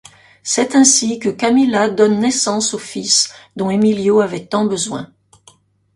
C’est ainsi que Camila donne naissance au fils dont Emilio avait tant besoin.